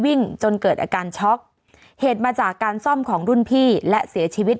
จนเกิดอาการช็อกเหตุมาจากการซ่อมของรุ่นพี่และเสียชีวิต